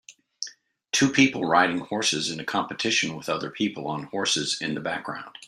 Two people riding horses in a competition with other people on horses in the background.